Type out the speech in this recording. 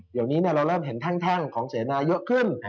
เดี๋ยวนี้เรามีแท่งของเศรษฐนาธิ์เยอะขึ้น